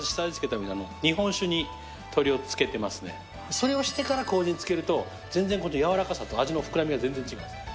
それをしてからこうじに漬けるとやわらかさと味の膨らみが全然違うんです。